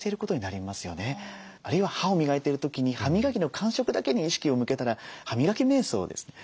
あるいは歯を磨いている時に歯磨きの感触だけに意識を向けたら歯磨きめい想です。